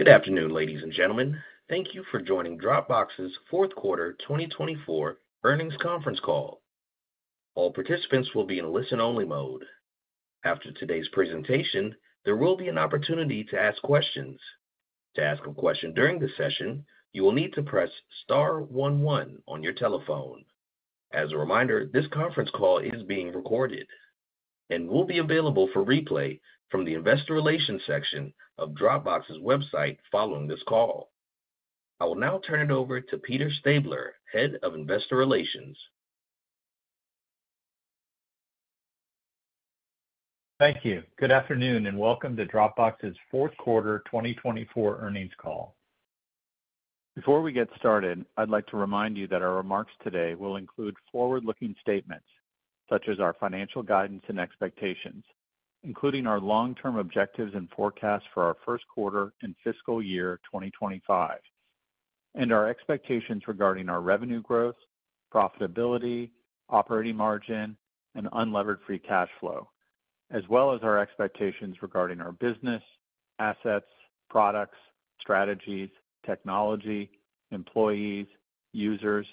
Good afternoon, ladies and gentlemen. Thank you for joining Dropbox's Q4 2024 Earnings Conference Call. All participants will be in listen-only mode. After today's presentation, there will be an opportunity to ask questions. To ask a question during this session, you will need to press star one one on your telephone. As a reminder, this conference call is being recorded and will be available for replay from the Investor Relations section of Dropbox's website following this call. I will now turn it over to Peter Stabler, Head of Investor Relations. Thank you. Good afternoon and welcome to Dropbox's Q4 2024 Earnings Call. Before we get started, I'd like to remind you that our remarks today will include forward-looking statements such as our financial guidance and expectations, including our long-term objectives and forecasts for our Q1 and fiscal year 2025. And our expectations regarding our revenue growth, profitability, operating margin, and unlevered free cash flow, as well as our expectations regarding our business, assets, products, strategies, technology, employees, users,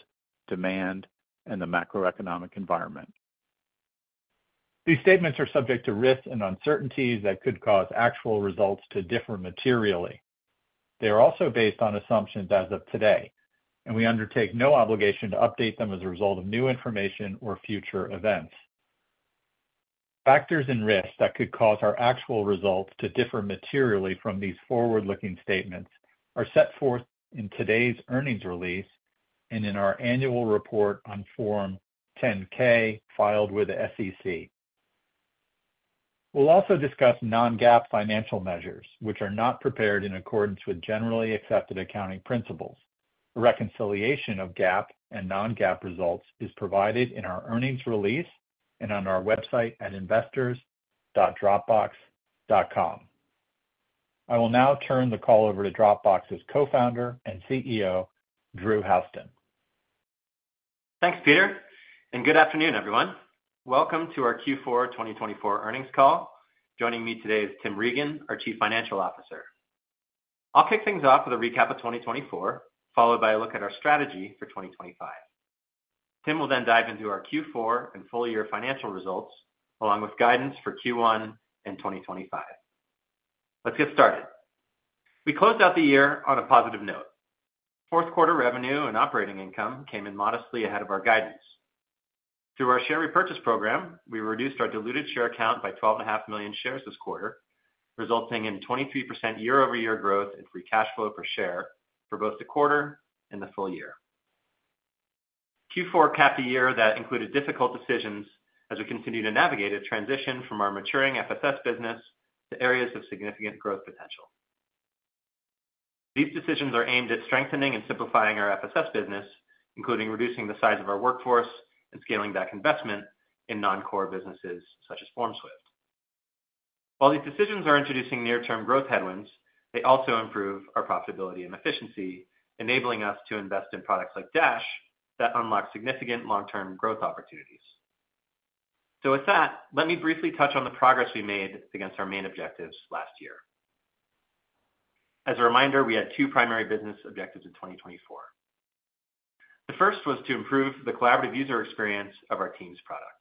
demand, and the macroeconomic environment. These statements are subject to risks and uncertainties that could cause actual results to differ materially. They are also based on assumptions as of today, and we undertake no obligation to update them as a result of new information or future events. Factors and risks that could cause our actual results to differ materially from these forward-looking statements are set forth in today's earnings release and in our annual report on Form 10-K filed with the SEC. We'll also discuss non-GAAP financial measures, which are not prepared in accordance with generally accepted accounting principles. A reconciliation of GAAP and non-GAAP results is provided in our earnings release and on our website at investors.dropbox.com. I will now turn the call over to Dropbox's Co-founder and CEO, Drew Houston. Thanks, Peter. And good afternoon, everyone. Welcome to our Q4 2024 Earnings Call. Joining me today is Tim Regan, our Chief Financial Officer. I'll kick things off with a recap of 2024, followed by a look at our strategy for 2025. Tim will then dive into our Q4 and full-year financial results, along with guidance for Q1 and 2025. Let's get started. We closed out the year on a positive note. Q4 revenue and operating income came in modestly ahead of our guidance. Through our share repurchase program, we reduced our diluted share count by 12.5 million shares this quarter, resulting in 23% year-over-year growth in free cash flow per share for both the quarter and the full year. Q4 capped a year that included difficult decisions as we continued to navigate a transition from our maturing FSS business to areas of significant growth potential. These decisions are aimed at strengthening and simplifying our FSS business, including reducing the size of our workforce and scaling back investment in non-core businesses such as FormSwift. While these decisions are introducing near-term growth headwinds, they also improve our profitability and efficiency, enabling us to invest in products like Dash that unlock significant long-term growth opportunities. So with that, let me briefly touch on the progress we made against our main objectives last year. As a reminder, we had two primary business objectives in 2024. The first was to improve the collaborative user experience of our Teams product.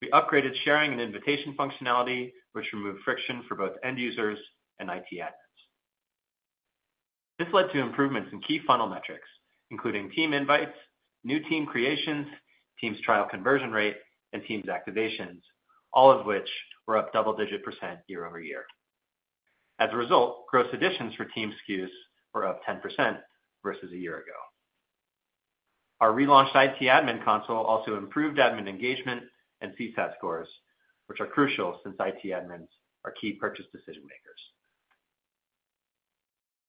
We upgraded sharing and invitation functionality, which removed friction for both end users and IT admins. This led to improvements in key funnel metrics, including team invites, new team creations, Teams trial conversion rate, and Teams activations, all of which were up double-digit % year-over-year. As a result, gross additions for Teams SKUs were up 10% versus a year ago. Our relaunched IT Admin Console also improved admin engagement and CSAT scores, which are crucial since IT admins are key purchase decision-makers.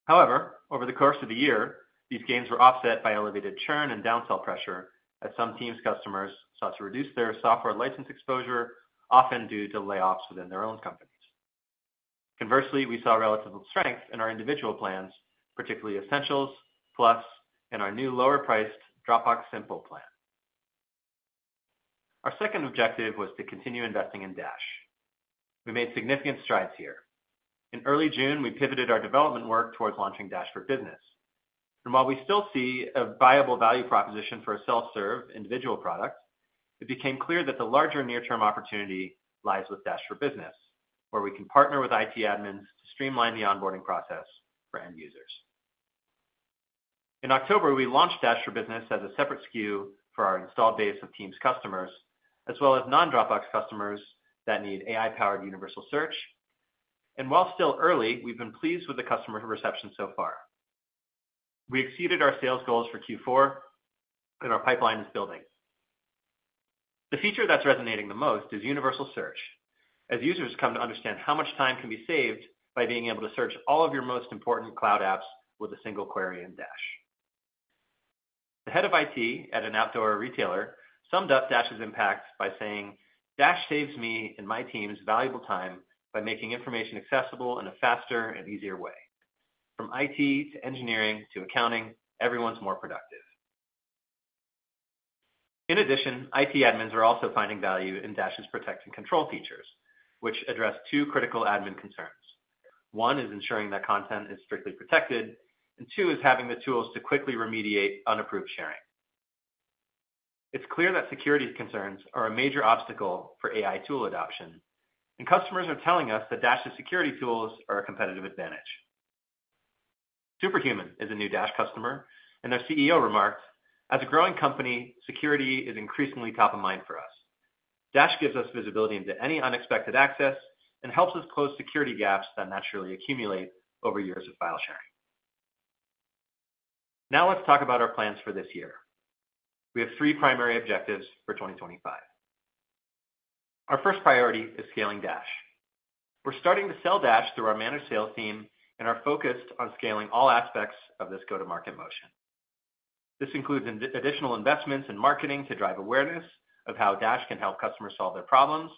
However, over the course of the year, these gains were offset by elevated churn and downsell pressure as some Teams customers sought to reduce their software license exposure, often due to layoffs within their own companies. Conversely, we saw relative strength in our individual plans, particularly Essentials, Plus, and our new lower-priced Dropbox Simple plan. Our second objective was to continue investing in Dash. We made significant strides here. In early June, we pivoted our development work towards launching Dash for Business. While we still see a viable value proposition for a self-serve individual product, it became clear that the larger near-term opportunity lies with Dash for Business, where we can partner with IT admins to streamline the onboarding process for end users. In October, we launched Dash for Business as a separate SKU for our installed base of Teams customers, as well as non-Dropbox customers that need AI-powered universal search. While still early, we've been pleased with the customer reception so far. We exceeded our sales goals for Q4, and our pipeline is building. The feature that's resonating the most is universal search, as users come to understand how much time can be saved by being able to search all of your most important cloud apps with a single query in Dash. The head of IT at an outdoor retailer summed up Dash's impact by saying, "Dash saves me and my team's valuable time by making information accessible in a faster and easier way. From IT to engineering to accounting, everyone's more productive." In addition, IT admins are also finding value in Dash's protect and control features, which address two critical admin concerns. One is ensuring that content is strictly protected, and two is having the tools to quickly remediate unapproved sharing. It's clear that security concerns are a major obstacle for AI tool adoption, and customers are telling us that Dash's security tools are a competitive advantage. Superhuman is a new Dash customer, and their CEO remarked, "As a growing company, security is increasingly top of mind for us. Dash gives us visibility into any unexpected access and helps us close security gaps that naturally accumulate over years of file sharing." Now let's talk about our plans for this year. We have three primary objectives for 2025. Our first priority is scaling Dash. We're starting to sell Dash through our managed Sales Team, and our focus is on scaling all aspects of this go-to-market motion. This includes additional investments in marketing to drive awareness of how Dash can help customers solve their problems,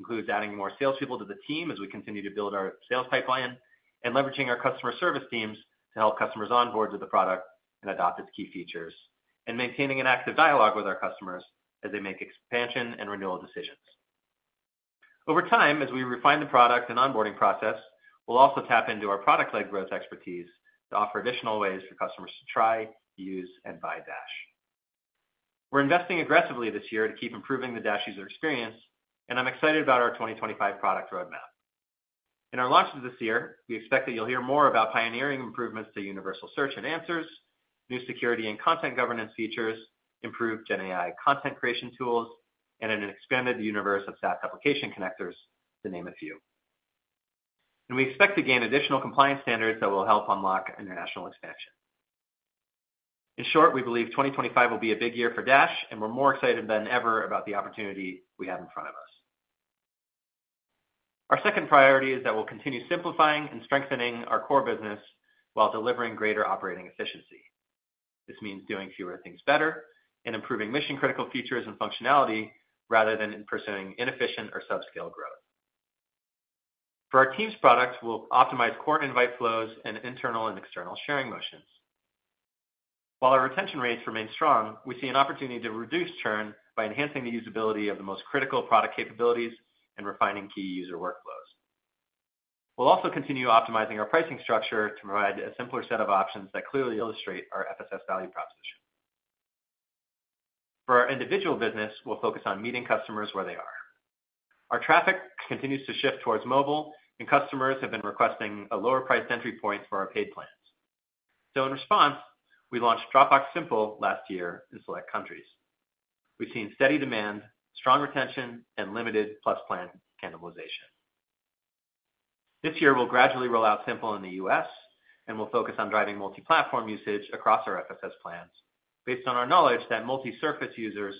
includes adding more salespeople to the team as we continue to build our sales pipeline, and leveraging our customer service teams to help customers onboard to the product and adopt its key features, and maintaining an active dialogue with our customers as they make expansion and renewal decisions. Over time, as we refine the product and onboarding process, we'll also tap into our product-led growth expertise to offer additional ways for customers to try, use, and buy Dash. We're investing aggressively this year to keep improving the Dash user experience, and I'm excited about our 2025 product roadmap. In our launches this year, we expect that you'll hear more about pioneering improvements to universal search and answers, new security and content governance features, improved GenAI content creation tools, and an expanded universe of SaaS application connectors, to name a few, and we expect to gain additional compliance standards that will help unlock international expansion. In short, we believe 2025 will be a big year for Dash, and we're more excited than ever about the opportunity we have in front of us. Our second priority is that we'll continue simplifying and strengthening our core business while delivering greater operating efficiency. This means doing fewer things better and improving mission-critical features and functionality rather than pursuing inefficient or subscale growth. For our Teams product, we'll optimize core invite flows and internal and external sharing motions. While our retention rates remain strong, we see an opportunity to reduce churn by enhancing the usability of the most critical product capabilities and refining key user workflows. We'll also continue optimizing our pricing structure to provide a simpler set of options that clearly illustrate our FSS value proposition. For our individual business, we'll focus on meeting customers where they are. Our traffic continues to shift towards mobile, and customers have been requesting lower-priced entry points for our paid plans. So in response, we launched Dropbox Simple last year in select countries. We've seen steady demand, strong retention, and limited Plus plan cannibalization. This year, we'll gradually roll out Simple in the U.S., and we'll focus on driving multi-platform usage across our FSS plans based on our knowledge that multi-surface users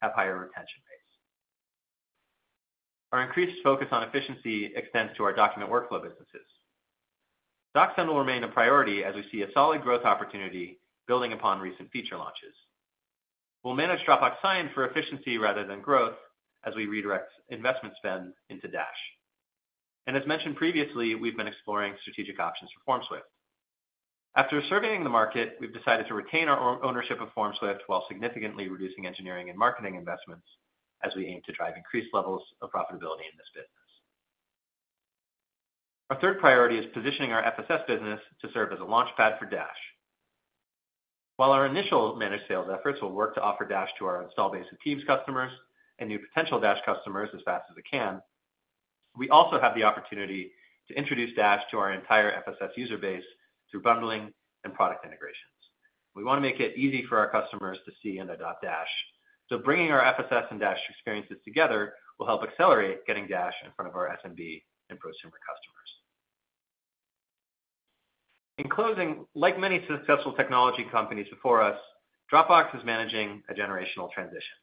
have higher retention rates. Our increased focus on efficiency extends to our document workflow businesses. DocSend will remain a priority as we see a solid growth opportunity building upon recent feature launches. We'll manage Dropbox Sign for efficiency rather than growth as we redirect investment spend into Dash. And as mentioned previously, we've been exploring strategic options for FormSwift. After surveying the market, we've decided to retain our ownership of FormSwift while significantly reducing engineering and marketing investments as we aim to drive increased levels of profitability in this business. Our third priority is positioning our FSS business to serve as a launchpad for Dash. While our initial managed sales efforts will work to offer Dash to our installed base of Teams customers and new potential Dash customers as fast as it can, we also have the opportunity to introduce Dash to our entire FSS user base through bundling and product integrations. We want to make it easy for our customers to see and adopt Dash. So bringing our FSS and Dash experiences together will help accelerate getting Dash in front of our SMB and prosumer customers. In closing, like many successful technology companies before us, Dropbox is managing a generational transition.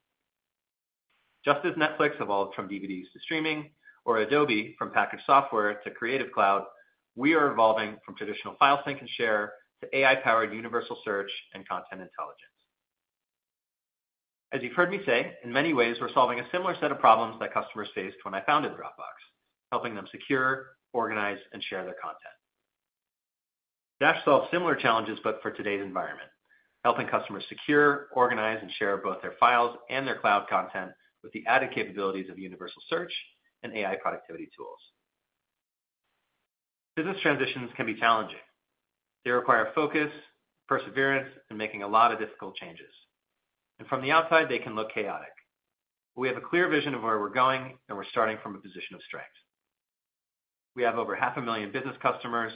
Just as Netflix evolved from DVDs to streaming, or Adobe from packaged software to Creative Cloud, we are evolving from traditional file sync and share to AI-powered universal search and content intelligence. As you've heard me say, in many ways, we're solving a similar set of problems that customers faced when I founded Dropbox, helping them secure, organize, and share their content. Dash solves similar challenges, but for today's environment, helping customers secure, organize, and share both their files and their cloud content with the added capabilities of universal search and AI productivity tools. Business transitions can be challenging. They require focus, perseverance, and making a lot of difficult changes. And from the outside, they can look chaotic. We have a clear vision of where we're going, and we're starting from a position of strength. We have over 500,000 business customers,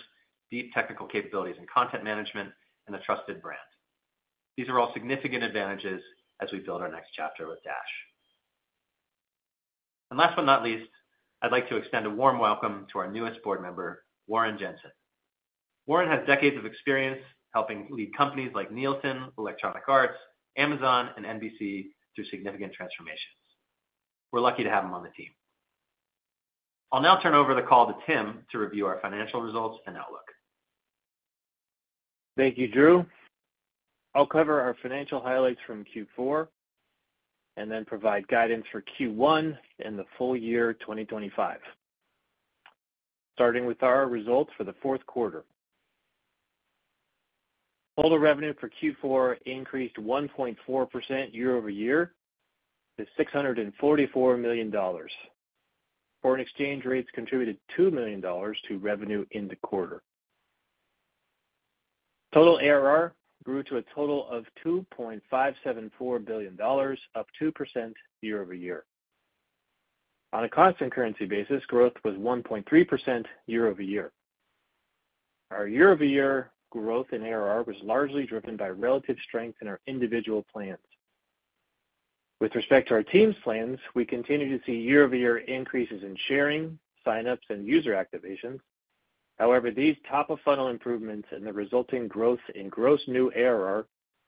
deep technical capabilities in content management, and a trusted brand. These are all significant advantages as we build our next chapter with Dash. Last but not least, I'd like to extend a warm welcome to our newest board member, Warren Jenson. Warren has decades of experience helping lead companies like Nielsen, Electronic Arts, Amazon, and NBC through significant transformations. We're lucky to have him on the team. I'll now turn over the call to Tim to review our financial results and outlook. Thank you, Drew. I'll cover our financial highlights from Q4 and then provide guidance for Q1 and the full year 2025, starting with our results for the Q4. Total revenue for Q4 increased 1.4% year-over-year to $644 million. Foreign exchange rates contributed $2 million to revenue in the quarter. Total ARR grew to a total of $2.574 billion, up 2% year-over-year. On a cost and currency basis, growth was 1.3% year-over-year. Our year-over-year growth in ARR was largely driven by relative strength in our individual plans. With respect to our Teams plans, we continue to see year-over-year increases in sharing, signups, and user activations. However, these top-of-funnel improvements and the resulting growth in gross new ARR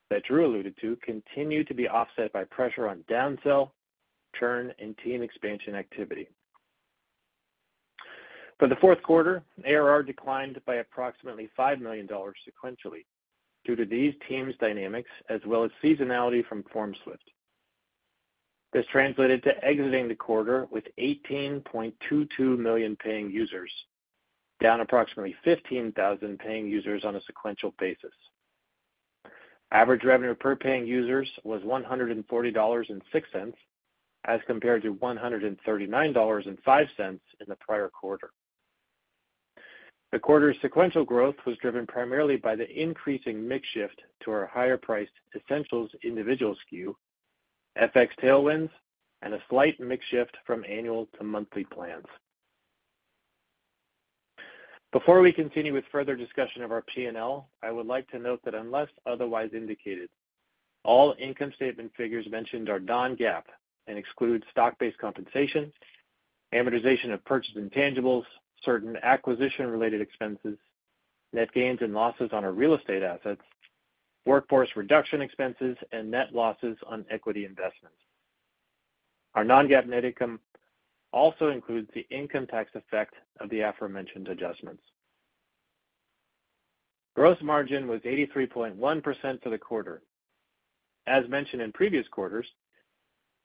that Drew alluded to continue to be offset by pressure on downsell, churn, and team expansion activity. For the Q4, ARR declined by approximately $5 million sequentially due to these Teams dynamics, as well as seasonality from FormSwift. This translated to exiting the quarter with 18.22 million paying users, down approximately 15,000 paying users on a sequential basis. Average revenue per paying user was $140.06 as compared to $139.05 in the prior quarter. The quarter's sequential growth was driven primarily by the increasing mix shift to our higher-priced Essentials Individual SKU, FX tailwinds, and a slight mix shift from annual to monthly plans. Before we continue with further discussion of our P&L, I would like to note that unless otherwise indicated, all income statement figures mentioned are non-GAAP and exclude stock-based compensation, amortization of purchased intangibles, certain acquisition-related expenses, net gains and losses on our real estate assets, workforce reduction expenses, and net losses on equity investments. Our non-GAAP net income also includes the income tax effect of the aforementioned adjustments. Gross margin was 83.1% for the quarter. As mentioned in previous quarters,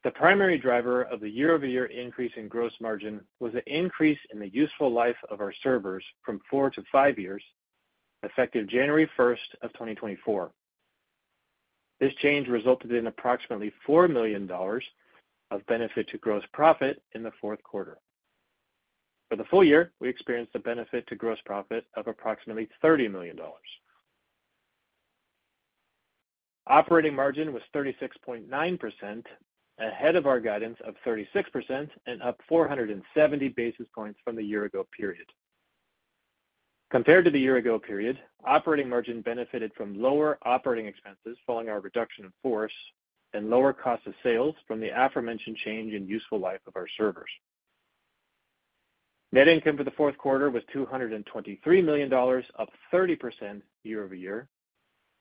the primary driver of the year-over-year increase in gross margin was the increase in the useful life of our servers from four to five years, effective January 1st of 2024. This change resulted in approximately $4 million of benefit to gross profit in the Q4. For the full year, we experienced a benefit to gross profit of approximately $30 million. Operating margin was 36.9%, ahead of our guidance of 36% and up 470 basis points from the year-ago period. Compared to the year-ago period, operating margin benefited from lower operating expenses following our reduction in force and lower cost of sales from the aforementioned change in useful life of our servers. Net income for the Q4 was $223 million, up 30% year-over-year,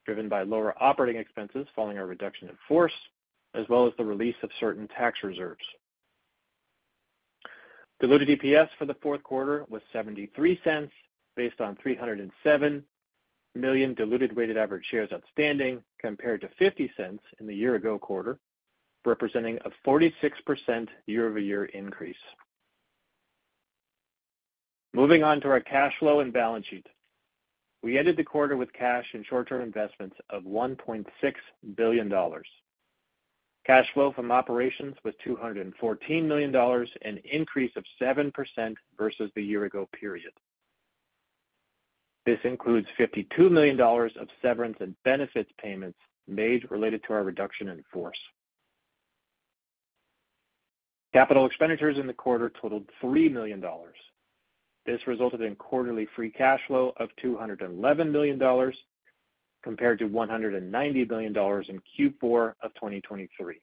driven by lower operating expenses following our reduction in force, as well as the release of certain tax reserves. Diluted EPS for the Q4 was $0.73 based on 307 million diluted weighted average shares outstanding, compared to $0.50 in the year-ago quarter, representing a 46% year-over-year increase. Moving on to our cash flow and balance sheet, we ended the quarter with cash and short-term investments of $1.6 billion. Cash flow from operations was $214 million, an increase of 7% versus the year-ago period. This includes $52 million of severance and benefits payments made related to our reduction in force. Capital expenditures in the quarter totaled $3 million. This resulted in quarterly free cash flow of $211 million, compared to $190 million in Q4 of 2023.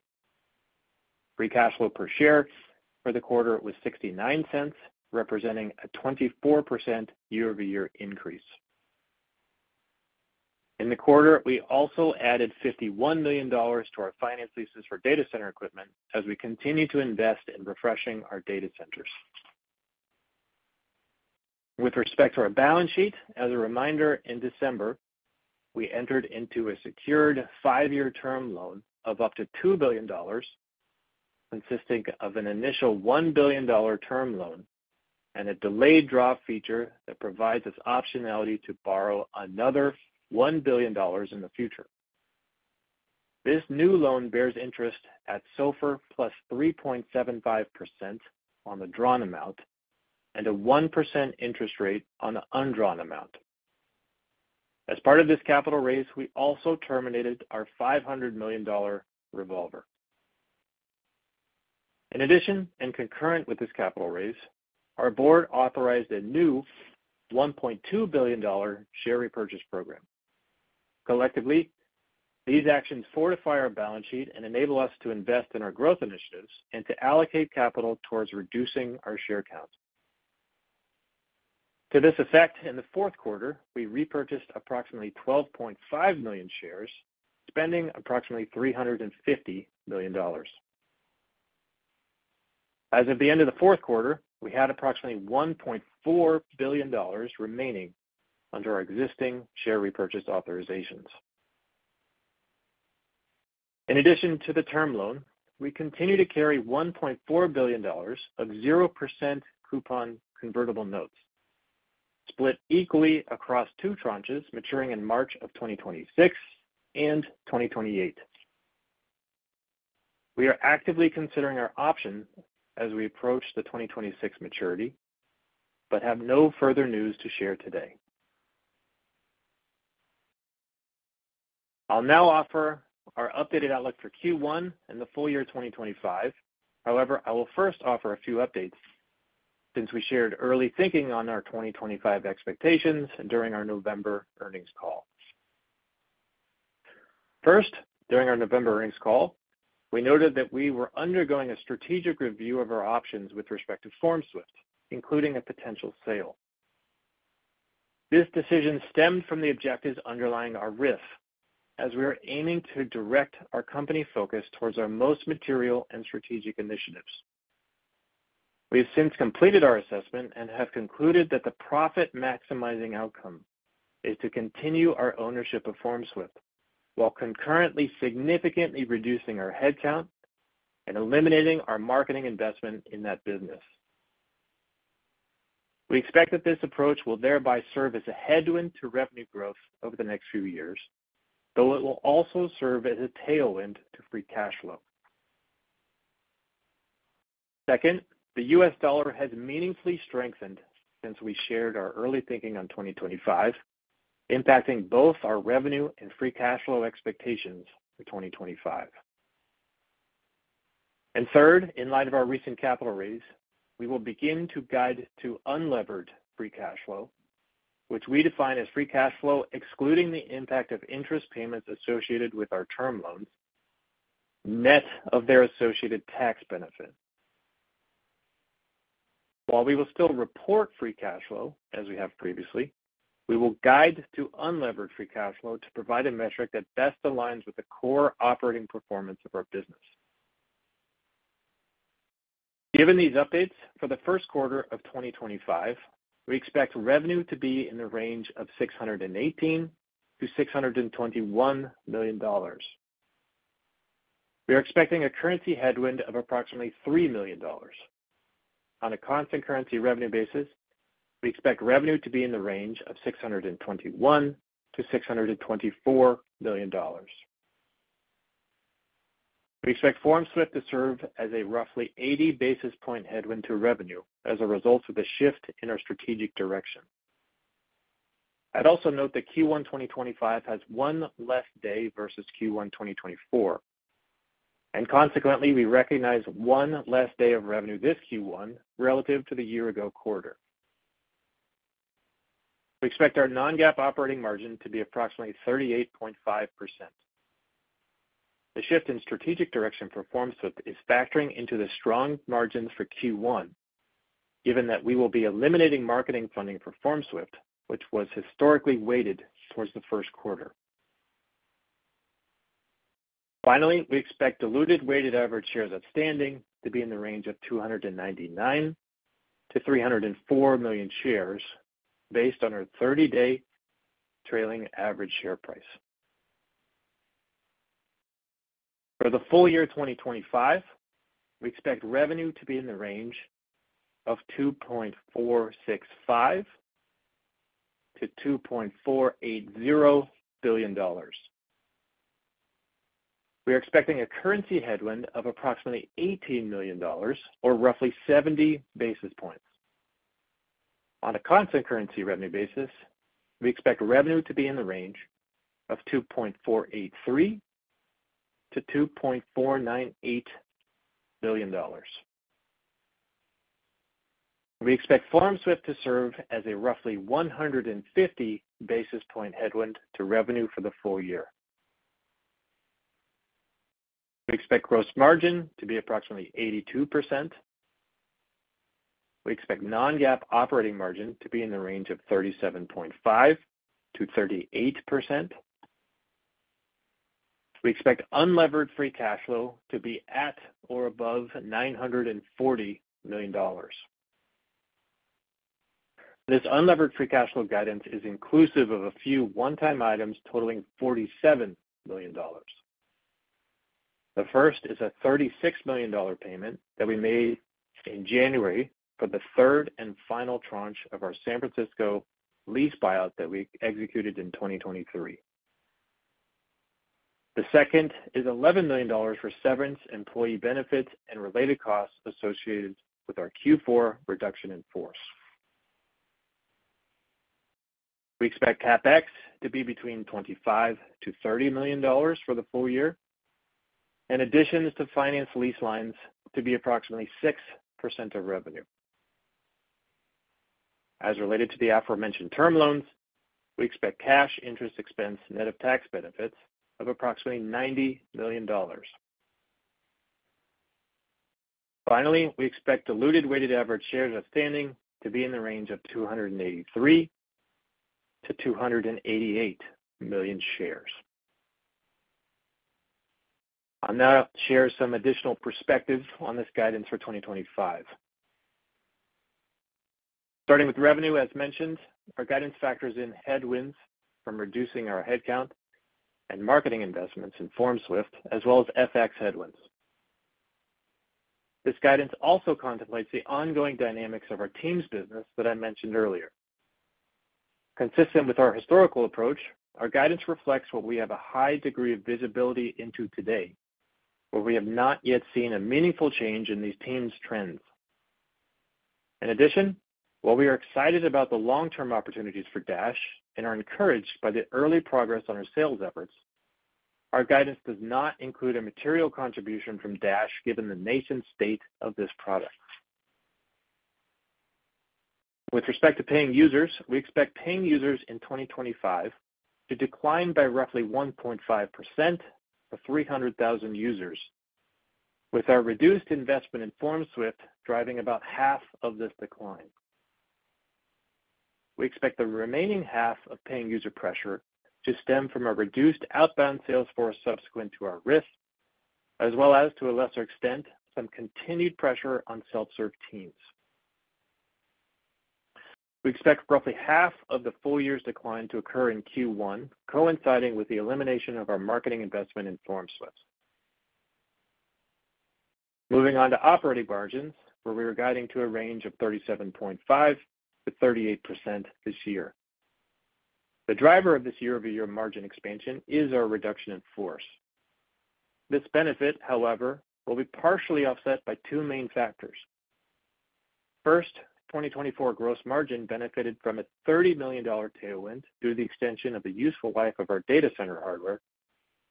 Free cash flow per share for the quarter was $0.69, representing a 24% year-over-year increase. In the quarter, we also added $51 million to our finance leases for data center equipment as we continue to invest in refreshing our data centers. With respect to our balance sheet, as a reminder, in December, we entered into a secured five-year term loan of up to $2 billion, consisting of an initial $1 billion term loan and a delayed draw feature that provides us optionality to borrow another $1 billion in the future. This new loan bears interest at SOFR plus 3.75% on the drawn amount and a 1% interest rate on the undrawn amount. As part of this capital raise, we also terminated our $500 million revolver. In addition, and concurrent with this capital raise, our board authorized a new $1.2 billion share repurchase program. Collectively, these actions fortify our balance sheet and enable us to invest in our growth initiatives and to allocate capital towards reducing our share count. To this effect, in the Q4, we repurchased approximately 12.5 million shares, spending approximately $350 million. As of the end of the Q4, we had approximately $1.4 billion remaining under our existing share repurchase authorizations. In addition to the term loan, we continue to carry $1.4 billion of 0% coupon convertible notes, split equally across two tranches maturing in March of 2026 and 2028. We are actively considering our options as we approach the 2026 maturity, but have no further news to share today. I'll now offer our updated outlook for Q1 and the full year 2025. However, I will first offer a few updates since we shared early thinking on our 2025 expectations during our November Earnings Call. First, during our November Earnings Call, we noted that we were undergoing a strategic review of our options with respect to FormSwift, including a potential sale. This decision stemmed from the objectives underlying our RIF, as we are aiming to direct our company focus towards our most material and strategic initiatives. We have since completed our assessment and have concluded that the profit-maximizing outcome is to continue our ownership of FormSwift while concurrently significantly reducing our headcount and eliminating our marketing investment in that business. We expect that this approach will thereby serve as a headwind to revenue growth over the next few years, though it will also serve as a tailwind to free cash flow. Second, the US dollar has meaningfully strengthened since we shared our early thinking on 2025, impacting both our revenue and free cash flow expectations for 2025. And third, in light of our recent capital raise, we will begin to guide to unlevered free cash flow, which we define as free cash flow excluding the impact of interest payments associated with our term loans net of their associated tax benefit. While we will still report free cash flow as we have previously, we will guide to unlevered free cash flow to provide a metric that best aligns with the core operating performance of our business. Given these updates, for the Q1 of 2025, we expect revenue to be in the range of $618 to $621 million. We are expecting a currency headwind of approximately $3 million. On a constant currency revenue basis, we expect revenue to be in the range of $621 to $624 million. We expect FormSwift to serve as a roughly 80 basis points headwind to revenue as a result of the shift in our strategic direction. I'd also note that Q1 2025 has one less day versus Q1 2024, and consequently, we recognize one less day of revenue this Q1 relative to the year-ago quarter. We expect our non-GAAP Operating Margin to be approximately 38.5%. The shift in strategic direction for FormSwift is factoring into the strong margins for Q1, given that we will be eliminating marketing funding for FormSwift, which was historically weighted towards the Q1. Finally, we expect diluted weighted average shares outstanding to be in the range of 299 to 304 million shares based on our 30-day trailing average share price. For the full year 2025, we expect revenue to be in the range of $2.465 to $2.480 billion. We are expecting a currency headwind of approximately $18 million, or roughly 70 basis points. On a constant currency revenue basis, we expect revenue to be in the range of $2.483 to $2.498 billion. We expect FormSwift to serve as a roughly 150 basis point headwind to revenue for the full year. We expect gross margin to be approximately 82%. We expect non-GAAP Operating Margin to be in the range of 37.5% to 38%. We expect unlevered free cash flow to be at or above $940 million. This unlevered free cash flow guidance is inclusive of a few one-time items totaling $47 million. The first is a $36 million payment that we made in January for the third and final tranche of our San Francisco lease buyout that we executed in 2023. The second is $11 million for severance, employee benefits, and related costs associated with our Q4 reduction in force. We expect CapEx to be between $25 to 30 million for the full year, and additions to finance lease lines to be approximately 6% of revenue. As related to the aforementioned term loans, we expect cash, interest expense, and net of tax benefits of approximately $90 million. Finally, we expect diluted weighted average shares outstanding to be in the range of 283-288 million shares. I'll now share some additional perspectives on this guidance for 2025. Starting with revenue, as mentioned, our guidance factors in headwinds from reducing our headcount and marketing investments in FormSwift, as well as FX headwinds. This guidance also contemplates the ongoing dynamics of our Teams business that I mentioned earlier. Consistent with our historical approach, our guidance reflects what we have a high degree of visibility into today, where we have not yet seen a meaningful change in these Teams' trends. In addition, while we are excited about the long-term opportunities for Dash and are encouraged by the early progress on our sales efforts, our guidance does not include a material contribution from Dash given the nascent state of this product. With respect to paying users, we expect paying users in 2025 to decline by roughly 1.5% or 300,000 users, with our reduced investment in FormSwift driving about half of this decline. We expect the remaining half of paying user pressure to stem from a reduced outbound sales force subsequent to our RIF, as well as to a lesser extent, some continued pressure on self-serve Teams. We expect roughly half of the full year's decline to occur in Q1, coinciding with the elimination of our marketing investment in FormSwift. Moving on to operating margins, where we are guiding to a range of 37.5 to 38% this year. The driver of this year-over-year margin expansion is our reduction in force. This benefit, however, will be partially offset by two main factors. First, 2024 gross margin benefited from a $30 million tailwind due to the extension of the useful life of our data center hardware,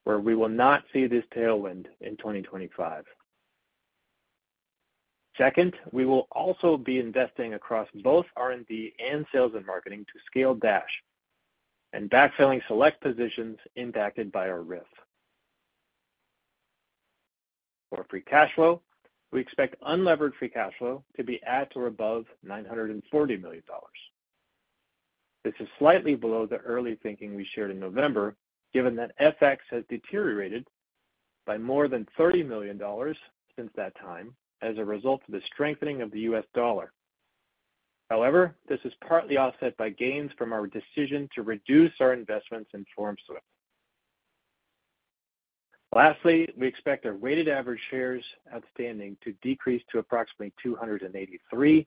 where we will not see this tailwind in 2025. Second, we will also be investing across both R&D and sales and marketing to scale Dash and backfilling select positions impacted by our RIF. For free cash flow, we expect unlevered free cash flow to be at or above $940 million. This is slightly below the early thinking we shared in November, given that FX has deteriorated by more than $30 million since that time as a result of the strengthening of the US dollar. However, this is partly offset by gains from our decision to reduce our investments in FormSwift. Lastly, we expect our weighted average shares outstanding to decrease to approximately 283-288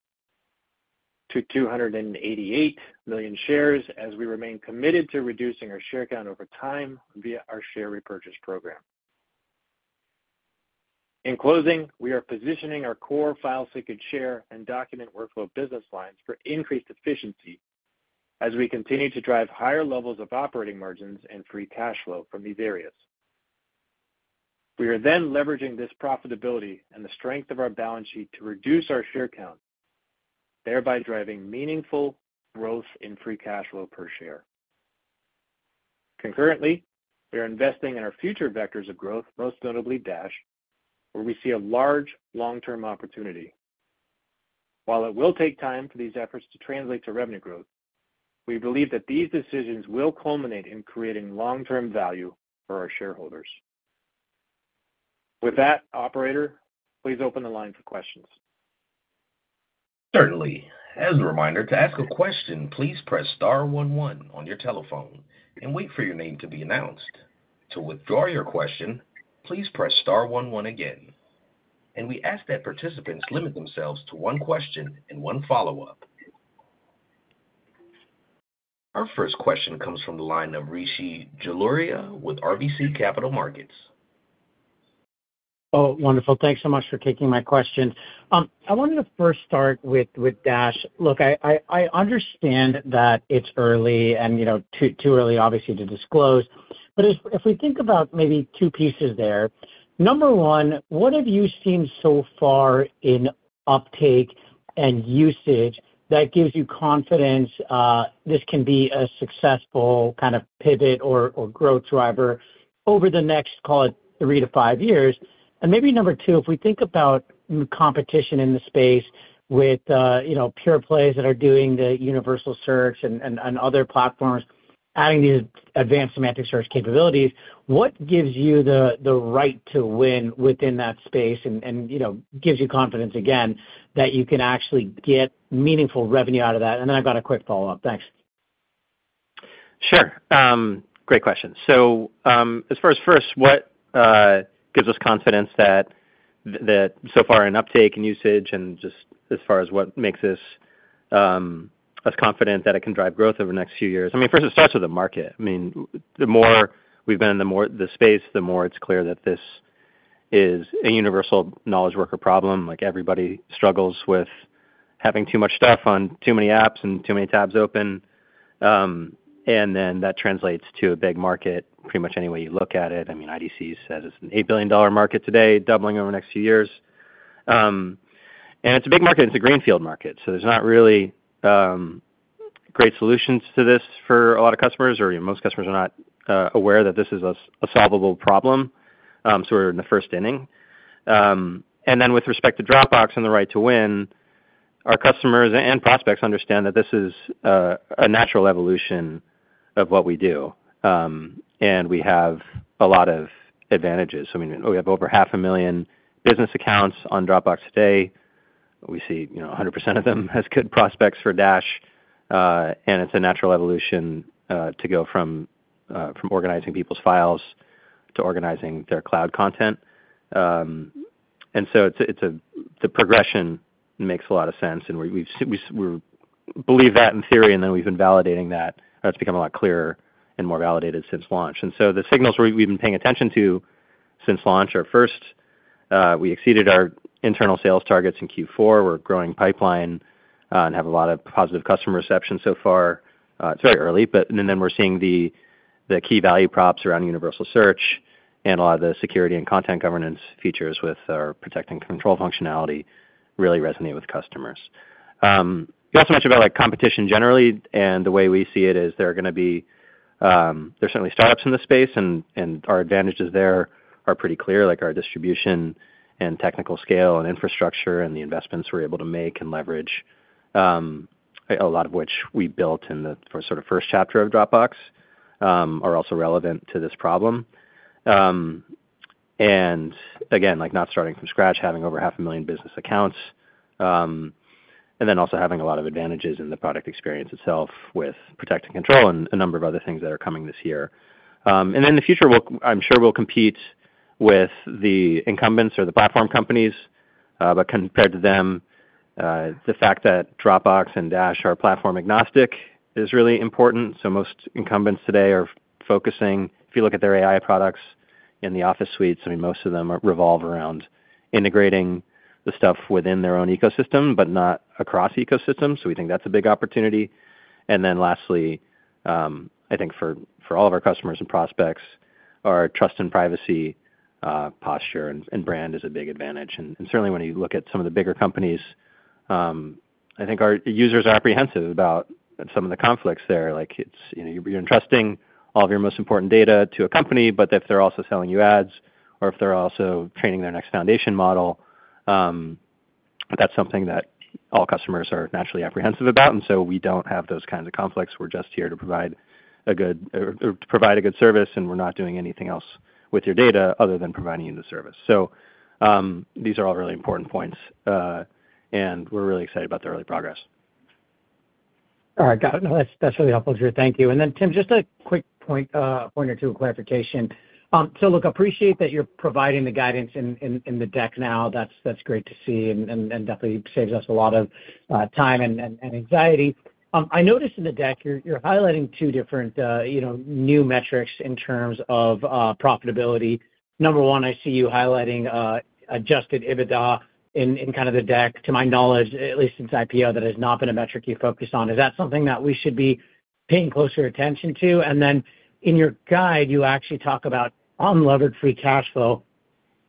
million shares as we remain committed to reducing our share count over time via our share repurchase program. In closing, we are positioning our core file sync and share and document workflow business lines for increased efficiency as we continue to drive higher levels of operating margins and free cash flow from these areas. We are then leveraging this profitability and the strength of our balance sheet to reduce our share count, thereby driving meaningful growth in free cash flow per share. Concurrently, we are investing in our future vectors of growth, most notably Dash, where we see a large long-term opportunity. While it will take time for these efforts to translate to revenue growth, we believe that these decisions will culminate in creating long-term value for our shareholders. With that, Operator, please open the line for questions. Certainly. As a reminder, to ask a question, please press star one one on your telephone and wait for your name to be announced. To withdraw your question, please press star one one again. And we ask that participants limit themselves to one question and one follow-up. Our first question comes from the line of Rishi Jaluria with RBC Capital Markets. Oh, wonderful. Thanks so much for taking my question. I wanted to first start with with Dash. Look, I I I understand that it's early and, you know, too too early, obviously, to disclose. But if we think about maybe two pieces there, number one, what have you seen so far in uptake and usage that gives you confidence this can be a successful kind of pivot or or growth driver over the next, call it, three to five years? And maybe number two, if we think about competition in the space with pure plays that are doing the universal search and and other platforms, adding these advanced semantic search capabilities, what gives you the right to win within that space and, you know, gives you confidence, again, that you can actually get meaningful revenue out of that? And then I've got a quick follow-up. Thanks. Sure. Great question. So as far as first, what gives us confidence that that so far in uptake and usage and just as far as what makes us confident that it can drive growth over the next few years? I mean, first, it starts with the market. I mean, the more we've been in the space, the more it's clear that this is a universal knowledge worker problem. Everybody struggles with having too much stuff on too many apps and too many tabs open. And then that translates to a big market pretty much any way you look at it. I mean, IDC says it's an $8 billion market today, doubling over the next few years. And it's a big market. It's a greenfield market. So there's not really great solutions to this for a lot of customers, or most customers are not aware that this is a solvable problem. We're in the first inning. With respect to Dropbox and the right to win, our customers and prospects understand that this is a natural evolution of what we do. And we have a lot of advantages. I mean, we have over 500,000 business accounts on Dropbox today. We see 100% of them as good prospects for Dash. And it's a natural evolution to go from from organizing people's files to organizing their cloud content. And so the progression makes a lot of sense. We believe that in theory, and then we've been validating that. That's become a lot clearer and more validated since launch. The signals we've been paying attention to since launch are first, we exceeded our internal sales targets in Q4. We're growing pipeline and have a lot of positive customer reception so far. It's very early. But then we're seeing the key value props around universal search and a lot of the security and content governance features with our protect and control functionality really resonate with customers. You also mentioned about competition generally, and the way we see it is there are going to be. There's certainly startups in the space, and our advantages there are pretty clear, like our distribution and technical scale and infrastructure and the investments we're able to make and leverage, a lot of which we built in the sort of first chapter of Dropbox, are also relevant to this problem. And again, not starting from scratch, having over 500,000 business accounts, and then also having a lot of advantages in the product experience itself with protect and control and a number of other things that are coming this year. And in the future, I'm sure we'll compete with the incumbents or the platform companies. But compared to them, the fact that Dropbox and Dash are platform agnostic is really important. So most incumbents today are focusing, if you look at their AI products in the Office suites, I mean, most of them revolve around integrating the stuff within their own ecosystem, but not across ecosystems. So we think that's a big opportunity. And then lastly, I think for all of our customers and prospects, our trust and privacy posture and brand is a big advantage. And certainly, when you look at some of the bigger companies, I think our users are apprehensive about some of the conflicts there. You're entrusting all of your most important data to a company, but if they're also selling you ads or if they're also training their next foundation model, that's something that all customers are naturally apprehensive about. And so we don't have those kinds of conflicts. We're just here to provide a good, provide a good service, and we're not doing anything else with your data other than providing you the service. So these are all really important points, and we're really excited about the early progress. All right. Got it. That's really helpful, Drew. Thank you. And then, Tim, just a quick point or two of clarification. So look, I appreciate that you're providing the guidance in in in the deck now. That's great to see and and definitely saves us a lot of time and and anxiety. I noticed in the deck, you're you're highlighting two different, you know, new metrics in terms of profitability. Number one, I see you highlighting adjusted EBITDA in in kind of the deck, to my knowledge, at least since IPO, that has not been a metric you focus on. Is that something that we should be paying closer attention to? And then in your guide, you actually talk about unlevered free cash flow.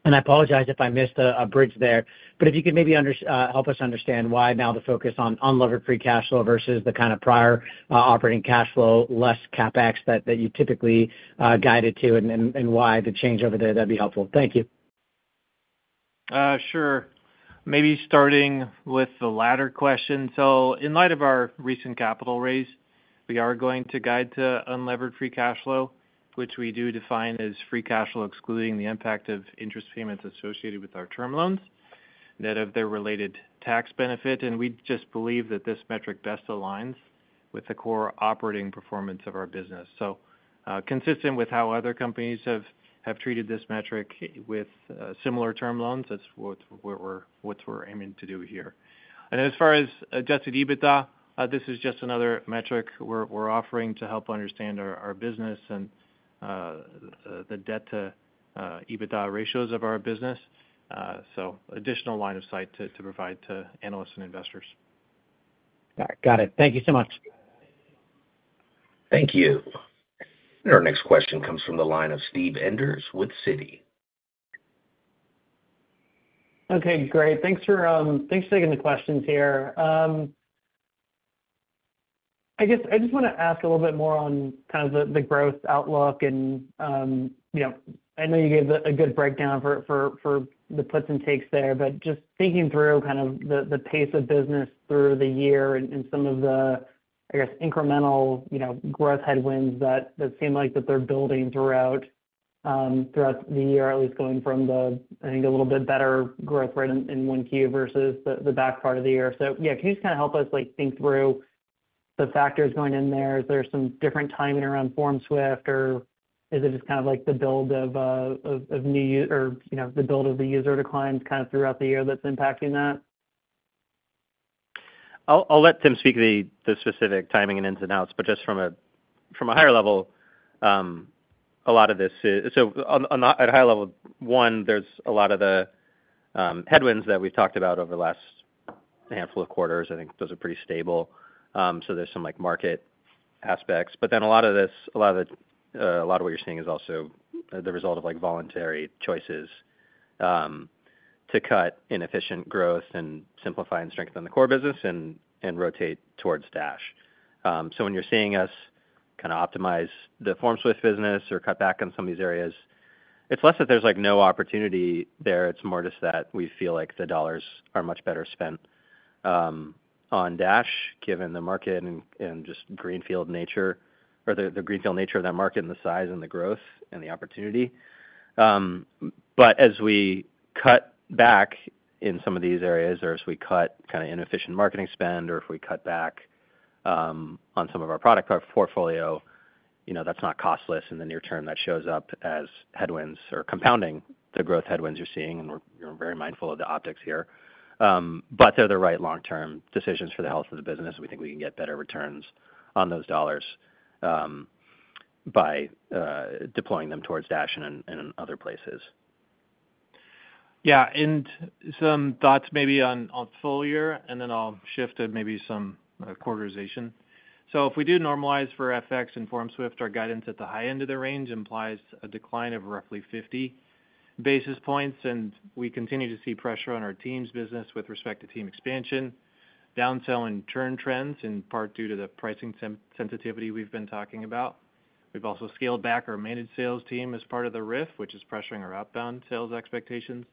And I apologize if I missed a bridge there. But if you could maybe help us understand why now the focus on unlevered free cash flow versus the kind of prior operating cash flow, less CapEx that you typically guided to, and and why the change over there, that'd be helpful? Thank you. Sure. Maybe starting with the latter question. So in light of our recent capital raise, we are going to guide to unlevered free cash flow, which we do define as free cash flow excluding the impact of interest payments associated with our term loans, net of their related tax benefit. And we just believe that this metric best aligns with the core operating performance of our business. So consistent with how other companies have treated this metric with similar term loans, that's we're we're, what we're aiming to do here. And as far as adjusted EBITDA, this is just another metric we're offering to help understand our business and the debt-to-EBITDA ratios of our business. So additional line of sight to provide to analysts and investors. Got it. Thank you so much. Thank you. Our next question comes from the line of Steve Enders with Citi. Okay. Great. Thanks for, thanks for taking the questions here. I guess I just want to ask a little bit more on kind of the growth outlook. And you know, I know you gave a good breakdown for for the puts and takes there, but just thinking through kind of the pace of business through the year and some of the, I guess, incremental growth headwinds that seem like they're building throughout throughout the year, at least going from the, I think, a little bit better growth rate in Q1 versus the back part of the year. So yeah, can you just kind of help us think through the factors going in there? Is there some different timing around FormSwift, or is it just kind of like the build of new or the build of the user declines kind of throughout the year that's impacting that? I'll let Tim speak the specific timing and ins and outs, but just from a higher level, a lot of this is so at a high level, one, there's a lot of the headwinds that we've talked about over the last handful of quarters. I think those are pretty stable, so there's some market aspects, but then a lot of this, a lot of what you're seeing is also the result of voluntary choices to cut inefficient growth and simplify and strengthen the core business and rotate towards Dash, so when you're seeing us kind of optimize the FormSwift business or cut back on some of these areas, it's less that there's no opportunity there. It's more just that we feel like the dollars are much better spent on Dash, given the market and just greenfield nature or the greenfield nature of that market and the size and the growth and the opportunity. But as we cut back in some of these areas, or as we cut kind of inefficient marketing spend, or if we cut back on some of our product portfolio, you know, that's not costless. In the near term, that shows up as headwinds or compounding the growth headwinds you're seeing. And we're very mindful of the optics here. But they're the right long-term decisions for the health of the business. We think we can get better returns on those dollars by deploying them towards Dash and and in other places. Yeah. And some thoughts maybe on full year, and then I'll shift to maybe some quarterization. So if we do normalize for FX and FormSwift, our guidance at the high end of the range implies a decline of roughly 50 basis points. And we continue to see pressure on our Teams business with respect to team expansion, downsell and churn trends, in part due to the pricing sensitivity we've been talking about. We've also scaled back our managed Sales Team as part of the RIF, which is pressuring our outbound sales expectations.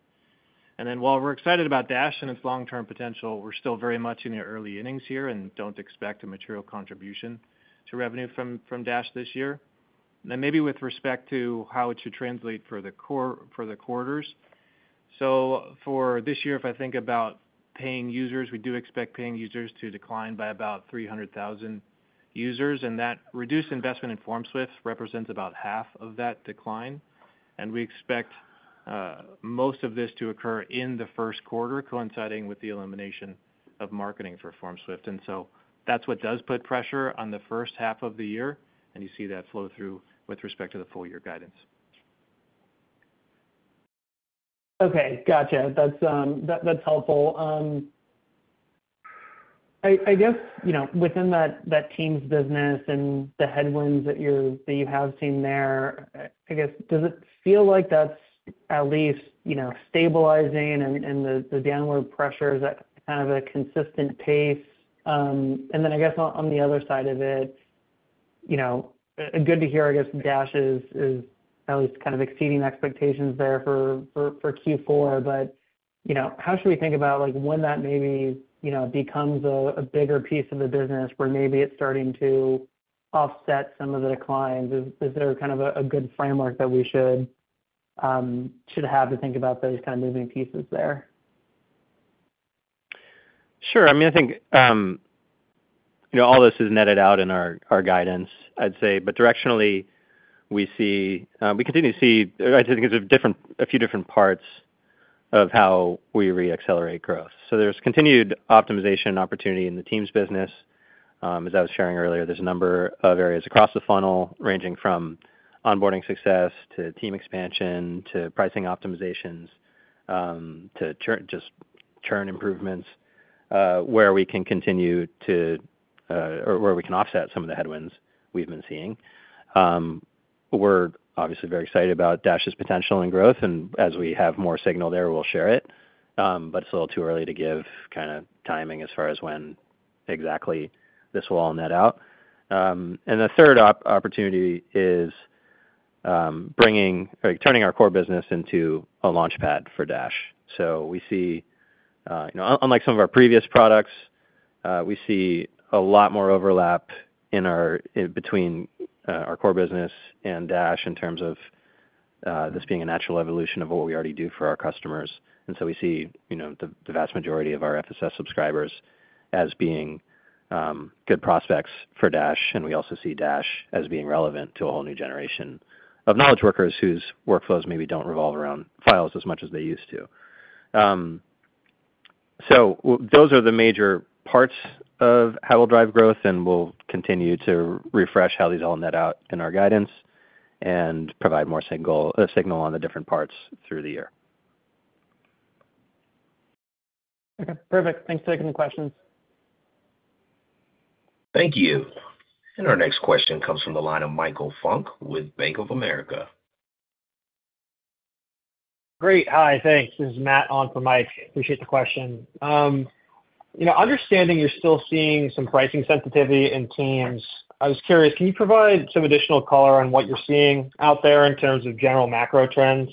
And then while we're excited about Dash and its long-term potential, we're still very much in the early innings here and don't expect a material contribution to revenue from from Dash this year. Then maybe with respect to how it should translate, for the quar, for the quarters, so for this year, if I think about paying users, we do expect paying users to decline by about 300,000 users. And that reduced investment in FormSwift represents about half of that decline. And we expect most of this to occur in the Q1, coinciding with the elimination of marketing for FormSwift. And so that's what does put pressure on the first half of the year. And you see that flow through with respect to the full year guidance. Okay. Gotcha. That's that's helpful. I guess, you know, within that that Teams business and the headwinds that you have seen there, I guess, does it feel like that's at least, you know, stabilizing and the downward pressure is at kind of a consistent pace? And then I guess on the other side of it, you know, good to hear, I guess, Dash is is at least kind of exceeding expectations there for for Q4. But you know, how should we think about when that maybe, you know, becomes a bigger piece of the business where maybe it's starting to offset some of the declines? Is there kind of a good framework that we should to have to think about those kind of moving pieces there? Sure. I mean, I think all this is netted out in our guidance, I'd say. But directionally, we see, we continue to see, I think, a few different parts of how we reaccelerate growth. So there's continued optimization opportunity in the Teams business. As I was sharing earlier, there's a number of areas across the funnel ranging from onboarding success to team expansion to pricing optimizations to just churn improvements where we can continue to or where we can offset some of the headwinds we've been seeing. We're obviously very excited about Dash's potential and growth. And as we have more signal there, we'll share it. But it's a little too early to give kind of timing as far as when exactly this will all net out. And the third opportunity is, bringing, turning our core business into a launchpad for Dash. So we see, unlike some of our previous products, we see a lot more overlap in our between our core business and Dash in terms of this being a natural evolution of what we already do for our customers. And so we see, you know, the vast majority of our FSS subscribers as being good prospects for Dash. And we also see Dash as being relevant to a whole new generation of knowledge workers whose workflows maybe don't revolve around files as much as they used to. So those are the major parts of how we'll drive growth. And we'll continue to refresh how these all net out in our guidance and provide more signal on the different parts through the year. Okay. Perfect. Thanks for taking the questions. Thank you, and our next question comes from the line of Michael Funk with Bank of America. Great. Hi. Thanks. This is Matt on for Mike. Appreciate the question. Understanding you're still seeing some pricing sensitivity in teams, I was curious, can you provide some additional color on what you're seeing out there in terms of general macro trends?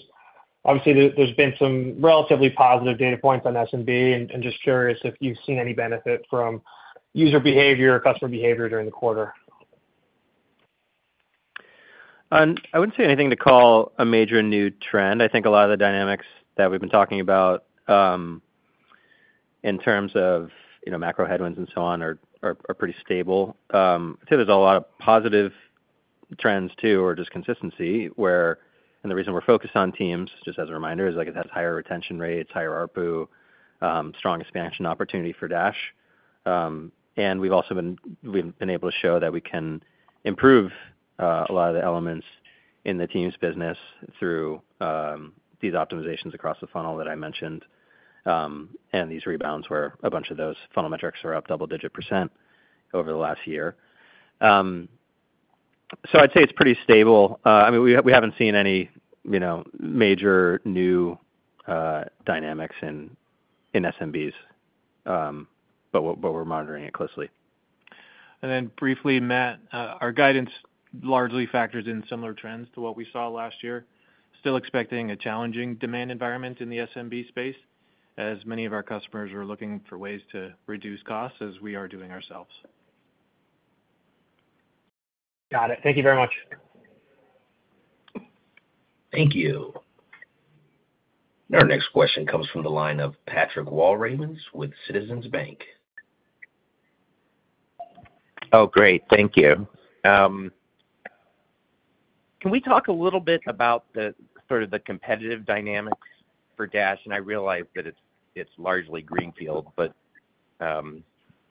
Obviously, there's been some relatively positive data points on SMB, and just curious if you've seen any benefit from user behavior or customer behavior during the quarter. I wouldn't say anything to call a major new trend. I think a lot of the dynamics that we've been talking about in terms of, you know, macro headwinds and so on are pretty stable. I'd say there's a lot of positive trends too, or just consistency, where the reason we're focused on teams, just as a reminder, is it has higher retention rates, higher ARPU, strong expansion opportunity for Dash. And we've been able to show that we can improve a lot of the elements in the Teams business through these optimizations across the funnel that I mentioned and these rebounds where a bunch of those funnel metrics are up double-digit% over the last year. So I'd say it's pretty stable. I mean, we haven't seen any, you know, major new dynamics in SMBs, but we're monitoring it closely. And then briefly, Matt, our guidance largely factors in similar trends to what we saw last year. Still expecting a challenging demand environment in the SMB space, as many of our customers are looking for ways to reduce costs as we are doing ourselves. Got it. Thank you very much. Thank you. Our next question comes from the line of Patrick Walravens with Citizens Bank. Oh, great. Thank you. Can we talk a little bit about sort of the competitive dynamics for Dash? And I realize that it's largely greenfield, but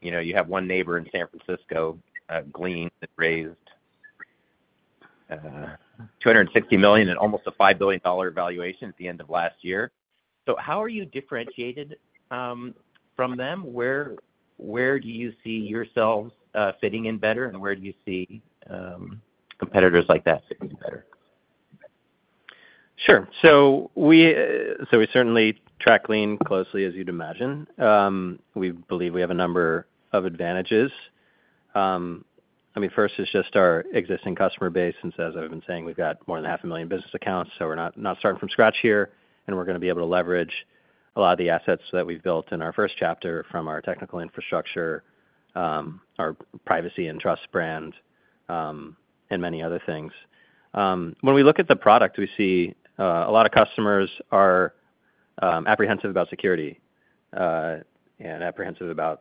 you know, you have one neighbor in San Francisco, Glean, that raised $260 million and almost a $5 billion valuation at the end of last year. So how are you differentiated from them? Where where do you see yourselves fitting in better, and where do you see competitors like that fitting in better? Sure. So we certainly track Glean closely, as you'd imagine. We believe we have a number of advantages. I mean, first is just our existing customer base. And as I've been saying, we've got more than 500,000 business accounts. So we're not starting from scratch here. And we're going to be able to leverage a lot of the assets that we've built in our first chapter from our technical infrastructure, our privacy and trust brand, and many other things. When we look at the product, we see a lot of customers are apprehensive about security and apprehensive about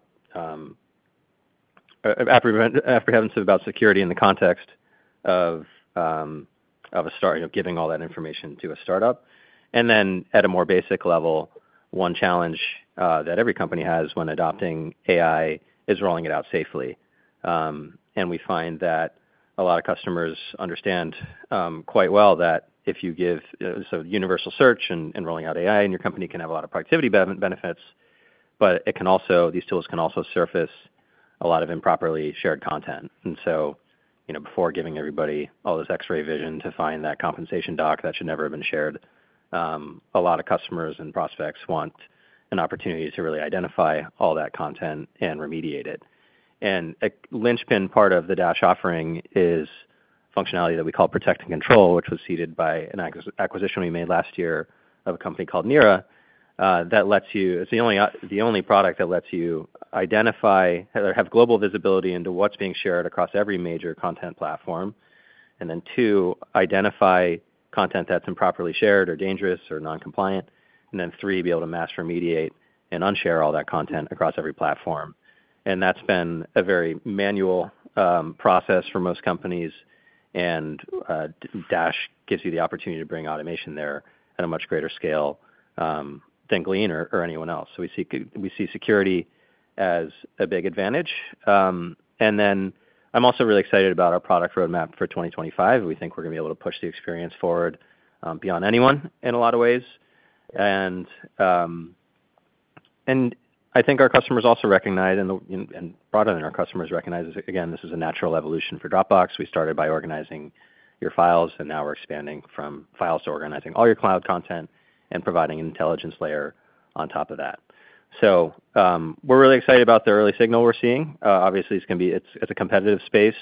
security in the context of, of starting giving all that information to a startup. And then at a more basic level, one challenge that every company has when adopting AI is rolling it out safely. And we find that a lot of customers understand quite well that if you give universal search and rolling out AI, your company can have a lot of productivity benefits. But these tools can also surface a lot of improperly shared content. And so before giving everybody all this X-ray vision to find that compensation doc that should never have been shared, a lot of customers and prospects want an opportunity to really identify all that content and remediate it. And a linchpin part of the Dash offering is functionality that we call protect and control, which was seeded by an acquisition we made last year of a company called Nira that lets you, it's the only product that lets you identify or have global visibility into what's being shared across every major content platform. And then two, identify content that's improperly shared or dangerous or non-compliant. And then three, be able to mask or remediate and unshare all that content across every platform. And that's been a very manual process for most companies. And Dash gives you the opportunity to bring automation there at a much greater scale than Glean or anyone else. So we see, we see security as a big advantage. And then I'm also really excited about our product roadmap for 2025. We think we're going to be able to push the experience forward beyond anyone in a lot of ways. And I think our customers also recognize, and broader than our customers recognize, again, this is a natural evolution for Dropbox. We started by organizing your files, and now we're expanding from files to organizing all your cloud content and providing an intelligence layer on top of that. So we're really excited about the early signal we're seeing. Obviously, it's a competitive space.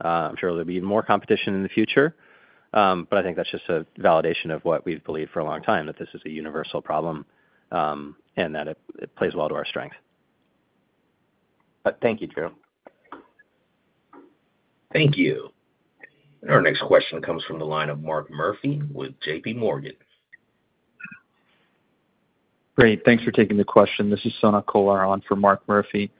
I'm sure there'll be more competition in the future. But I think that's just a validation of what we've believed for a long time, that this is a universal problem and that it plays well to our strength. Thank you, Drew. Thank you. And our next question comes from the line of Mark Murphy with JPMorgan. Great. Thanks for taking the question. This is Sonak Kolar for Mark Murphy.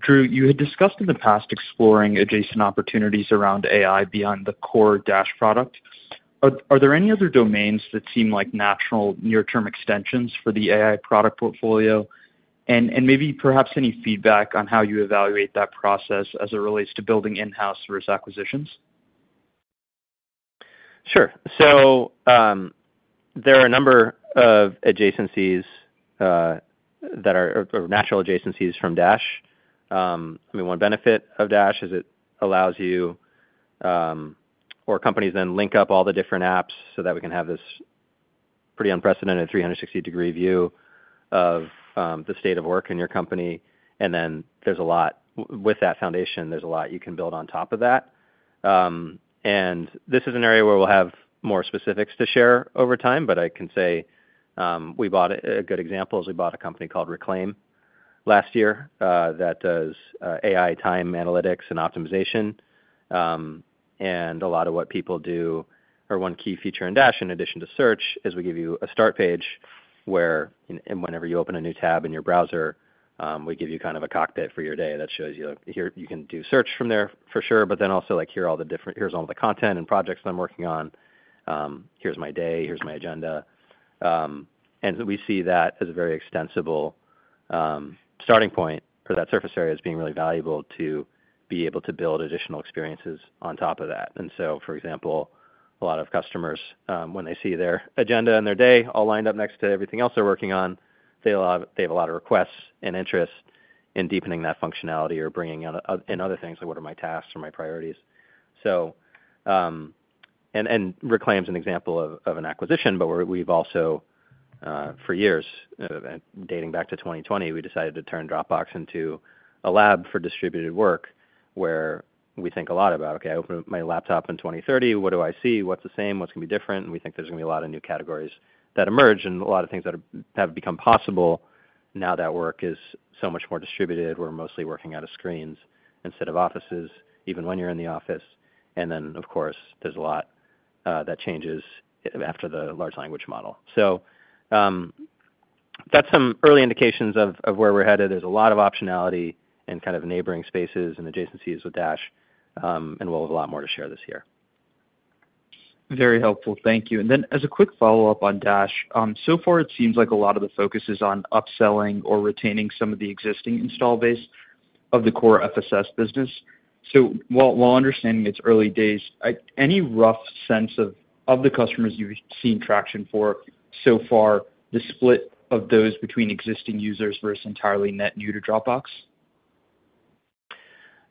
Drew, you had discussed in the past exploring adjacent opportunities around AI beyond the core Dash product. Are there any other domains that seem like natural near-term extensions for the AI product portfolio? And and maybe perhaps any feedback on how you evaluate that process as it relates to building in-house versus acquisitions? Sure. So there are a number of adjacencies that are natural adjacencies from Dash. One benefit of Dash is it allows you—or companies then link up all the different apps so that we can have this pretty unprecedented 360-degree view of the state of work in your company. And then there's a lot with that foundation, there's a lot you can build on top of that. And this is an area where we'll have more specifics to share over time. But I can say, we bought a good example, is we bought a company called Reclaim last year that does AI time analytics and optimization. And a lot of what people do, or one key feature in Dash, in addition to search, is we give you a start page where whenever you open a new tab in your browser, we give you kind of a cockpit for your day that shows you you can do search from there for sure, but then also here's all the content and projects that I'm working on. Here's my day. Here's my agenda. AndwWe see that as a very extensible starting point for that surface area as being really valuable to be able to build additional experiences on top of that. And so, for example, a lot of customers, when they see their agenda and their day all lined up next to everything else they're working on, they have, they have a lot of requests and interest in deepening that functionality or bringing in other things like what are my tasks or my priorities. So and and Reclaim is an example of an acquisition, but we've also for years, dating back to 2020, we decided to turn Dropbox into a lab for distributed work where we think a lot about, "Okay, I open my laptop in 2030. What do I see? What's the same? What's going to be different?" And we think there's going to be a lot of new categories that emerge and a lot of things that have become possible now that work is so much more distributed. We're mostly working out of screens instead of offices, even when you're in the office. And then, of course, there's a lot that changes after the large language model. So that's some early indications of where we're headed. There's a lot of optionality in kind of neighboring spaces and adjacencies with Dash. And we'll have a lot more to share this year. Very helpful. Thank you. And then as a quick follow-up on Dash, so far it seems like a lot of the focus is on upselling or retaining some of the existing install base of the core FSS business. So while understanding its early days, any rough sense of the customers you've seen traction for so far, the split of those between existing users versus entirely net new to Dropbox?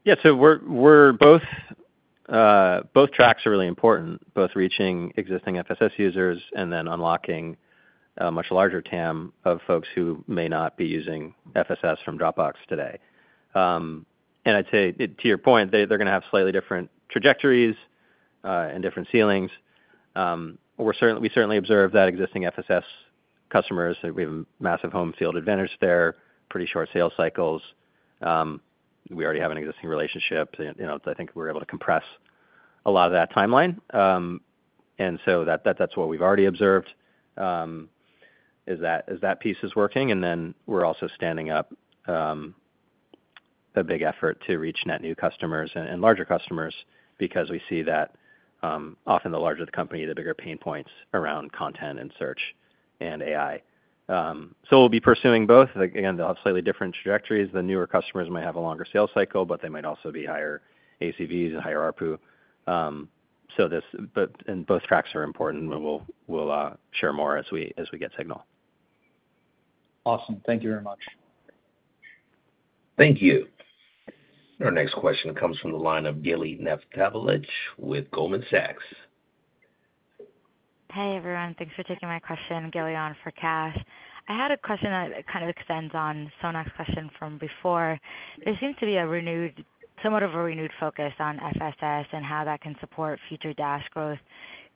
Yeah. So we're we're both, both tracks are really important, both reaching existing FSS users and then unlocking a much larger TAM of folks who may not be using FSS from Dropbox today. And I'd say, to your point, they're going to have slightly different trajectories and different ceilings. We certainly observe that existing FSS customers. We have a massive home field advantage there, pretty short sales cycles. We already have an existing relationship. I think we're able to compress a lot of that timeline. And so that's what we've already observed, is that, that piece is working. And then we're also standing up a big effort to reach net new customers and larger customers because we see that often the larger the company, the bigger pain points around content and search and AI. So we'll be pursuing both. Again, they'll have slightly different trajectories. The newer customers might have a longer sales cycle, but they might also be higher ACVs and higher ARPU. So and both tracks are important. We'll we'll share more as we get signal. Awesome. Thank you very much. Thank you. Our next question comes from the line of Gili Naftalovich with Goldman Sachs. Hey, everyone. Thanks for taking my question, Gili Naftalovich for Goldman Sachs. I had a question that kind of extends on Sonak's question from before. There seems to be somewhat of a renewed focus on FSS and how that can support future Dash growth.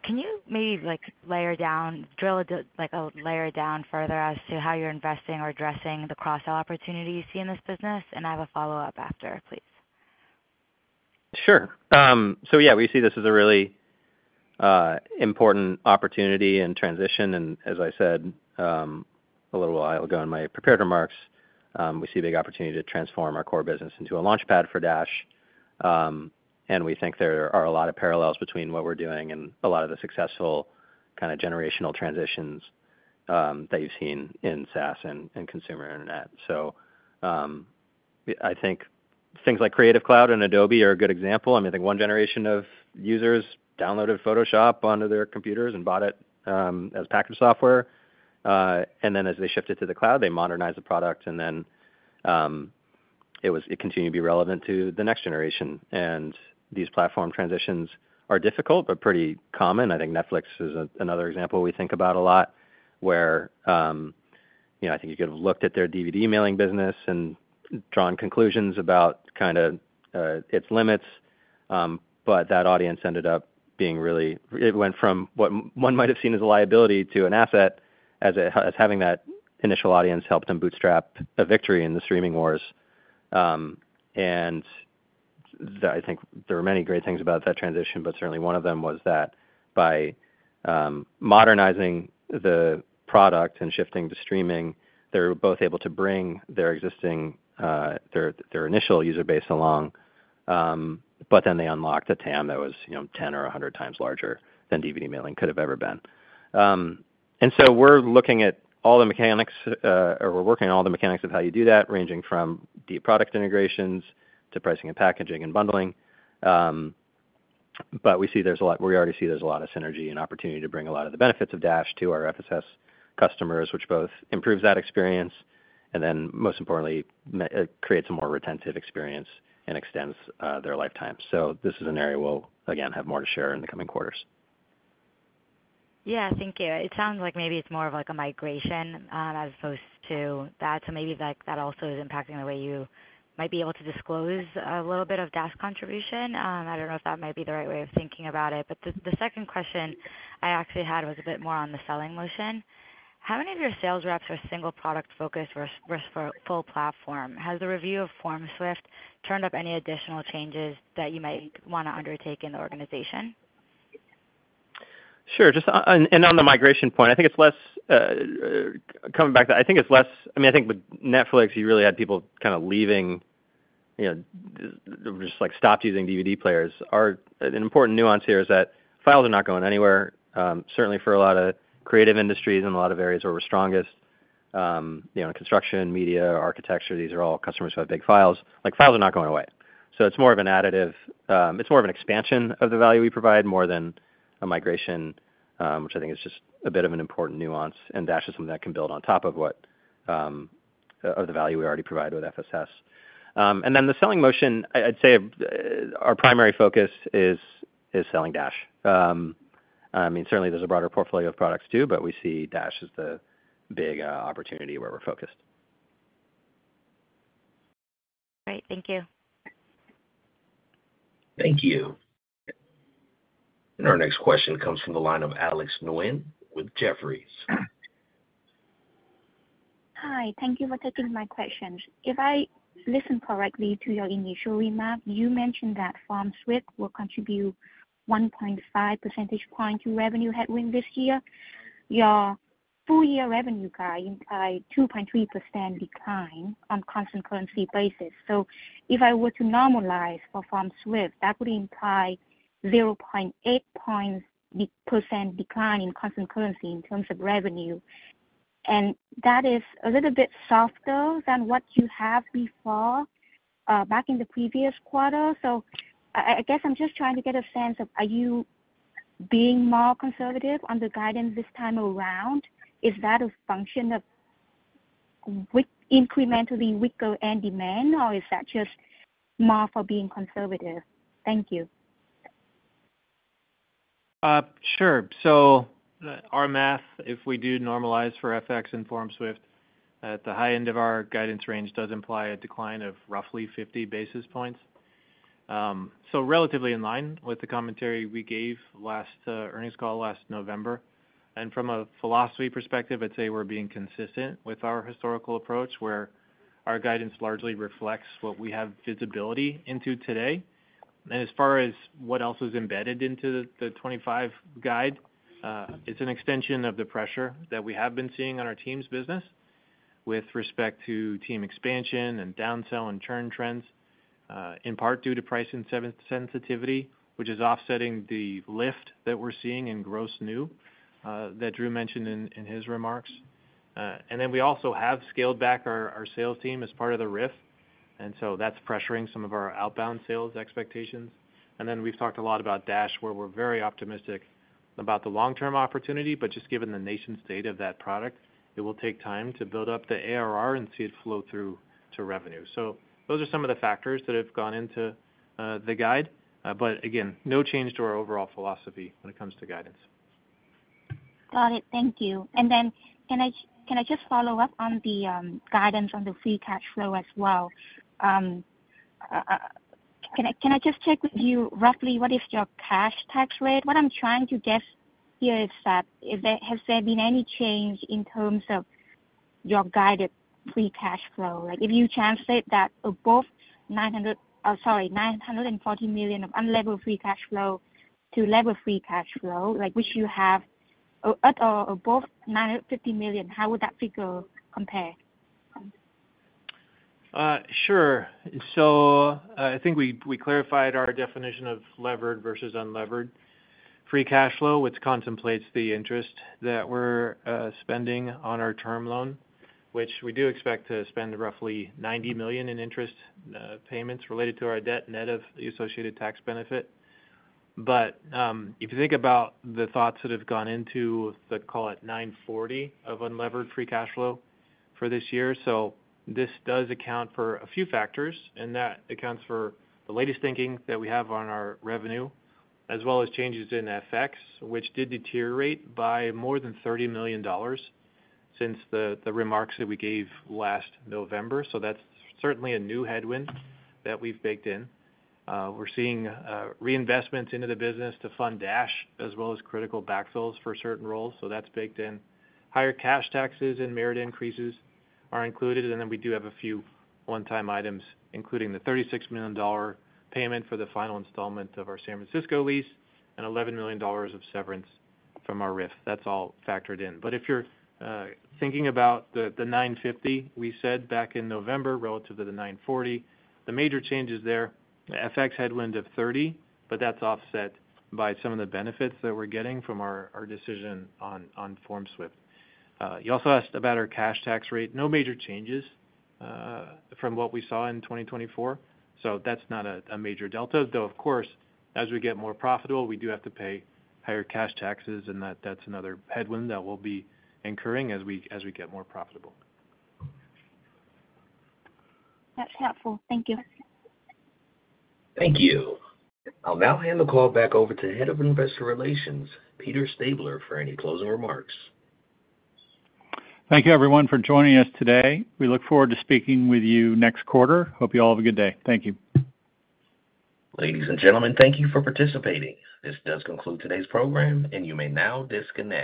Can you maybe layer down, drill a layer down further as to how you're investing or addressing the cross-sell opportunity you see in this business? And I have a follow-up after, please. Sure. So yeah, we see this as a really important opportunity and transition. And as I said a little while ago in my prepared remarks, we see a big opportunity to transform our core business into a launchpad for Dash. And we think there are a lot of parallels between what we're doing and a lot of the successful kind of generational transitions that you've seen in SaaS and consumer internet. So I think things like Creative Cloud and Adobe are a good example. I mean, I think one generation of users downloaded Photoshop onto their computers and bought it as packaged software. And then as they shifted to the cloud, they modernized the product. And then it continued to be relevant to the next generation. And these platform transitions are difficult but pretty common. I think Netflix is another example we think about a lot where, you know, I think you could have looked at their DVD mailing business and drawn conclusions about kind of its limits. But that audience ended up being really, it went from what one might have seen as a liability to an asset as having that initial audience helped them bootstrap a victory in the streaming wars. And I think there are many great things about that transition, but certainly one of them was that by modernizing the product and shifting to streaming, they were both able to bring their existing, theirninitial user base along. But then they unlocked a TAM that was 10 or 100 times larger than DVD mailing could have ever been. And so we're looking at all the mechanics, or we're working on all the mechanics of how you do that, ranging from deep product integrations to pricing and packaging and bundling. But we see there's a lot, we already see there's a lot of synergy and opportunity to bring a lot of the benefits of Dash to our FSS customers, which both improves that experience and then, most importantly, creates a more retentive experience and extends their lifetime. So this is an area we'll, again, have more to share in the coming quarters. Yeah. Thank you. It sounds like maybe it's more of a migration as opposed to that. So maybe that also is impacting the way you might be able to disclose a little bit of Dash contribution. I don't know if that might be the right way of thinking about it. But the second question I actually had was a bit more on the selling motion. How many of your sales reps are single product focused versus full platform? Has the review of FormSwift turned up any additional changes that you might want to undertake in the organization? Sure. And on the migration point, I think it's less, coming back to that. I mean, I think with Netflix, you really had people kind of leaving. They just stopped using DVD players. An important nuance here is that files are not going anywhere. Certainly, for a lot of creative industries and a lot of areas where we're strongest, construction, media, architecture, these are all customers who have big files. Files are not going away, so it's more of an additive. It's more of an expansion of the value we provide more than a migration, which I think is just a bit of an important nuance, and Dash is something that can build on top of the value we already provide with FSS, and then the selling motion, I'd say our primary focus is selling Dash. I mean, certainly, there's a broader portfolio of products too, but we see Dash as the big opportunity where we're focused. Great. Thank you. Thank you, and our next question comes from the line of Alex Nguyen with Jefferies. Hi. Thank you for taking my questions. If I listen correctly to your initial remark, you mentioned that FormSwift will contribute 1.5 percentage points to revenue headwind this year. Your full-year revenue guide implies a 2.3% decline on a constant currency basis. So if I were to normalize for FormSwift, that would imply a 0.8% decline in constant currency in terms of revenue. And that is a little bit softer than what you have before back in the previous quarter. So I guess I'm just trying to get a sense of, are you being more conservative on the guidance this time around? Is that a function of incrementally weaker end demand, or is that just more for being conservative? Thank you. Sure. So our math, if we do normalize for FX and FormSwift, at the high end of our guidance range, does imply a decline of roughly 50 basis points, so relatively in line with the commentary we gave last Earnings Call last November, and from a philosophy perspective, I'd say we're being consistent with our historical approach where our guidance largely reflects what we have visibility into today, and as far as what else was embedded into the 2025 guide, it's an extension of the pressure that we have been seeing on our Teams business with respect to team expansion and downsell and churn trends, in part due to price and sensitivity, which is offsetting the lift that we're seeing in gross new that Drew mentioned in his remarks, and then we also have scaled back our Sales Team as part of the RIF. And so that's pressuring some of our outbound sales expectations. And then we've talked a lot about Dash, where we're very optimistic about the long-term opportunity. But just given the nascent state of that product, it will take time to build up the ARR and see it flow through to revenue. So those are some of the factors that have gone into the guide. But again, no change to our overall philosophy when it comes to guidance. Got it. Thank you. And then can I just follow up on the guidance on the free cash flow as well? Can I just check with you roughly what is your cash tax rate? What I'm trying to guess here is that has there been any change in terms of your guided free cash flow? If you translate that above $900, sorry, $940 million of unlevered free cash flow to levered free cash flow, which you have above $950 million, how would that figure compare? Sure. So I think we, we clarified our definition of levered versus unlevered free cash flow, which contemplates the interest that we're spending on our term loan, which we do expect to spend roughly $90 million in interest payments related to our debt net of the associated tax benefit. But if you think about the thoughts that have gone into the, call it, $940 million of unlevered free cash flow for this year, so this does account for a few factors. And that accounts for the latest thinking that we have on our revenue, as well as changes in FX, which did deteriorate by more than $30 million since the remarks that we gave last November. So that's certainly a new headwind that we've baked in. We're seeing reinvestments into the business to fund Dash, as well as critical backfills for certain roles. So that's baked in. Higher cash taxes and merit increases are included, and then we do have a few one-time items, including the $36 million payment for the final installment of our San Francisco lease and $11 million of severance from our RIF. That's all factored in, but if you're thinking about the 950 we said back in November relative to the 940, the major changes there, FX headwind of 30, but that's offset by some of the benefits that we're getting from our decision on FormSwift. You also asked about our cash tax rate. No major changes from what we saw in 2024, so that's not a major delta. Though, of course, as we get more profitable, we do have to pay higher cash taxes, and that's another headwind that will be incurring as we get more profitable. That's helpful. Thank you. Thank you. I'll now hand the call back over to the Head of Investor Relations, Peter Stabler, for any closing remarks. Thank you, everyone, for joining us today. We look forward to speaking with you next quarter. Hope you all have a good day. Thank you. Ladies and gentlemen, thank you for participating. This does conclude today's program, and you may now disconnect.